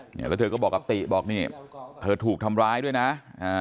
เนี่ยแล้วเธอก็บอกกับติบอกนี่เธอถูกทำร้ายด้วยนะอ่า